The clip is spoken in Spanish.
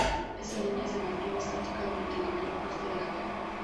Esa línea se mantuvo estática durante la mayor parte de la guerra.